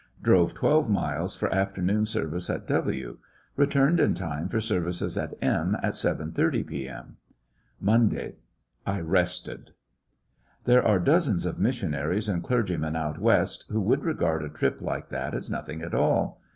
Drove twelve miles for after noon service at W . Returned in time for services at M at 7 : 30 p.m. Monday. I rested. There are dozens of missionaries and clergy men out West who would regard a trip like that as nothing at all.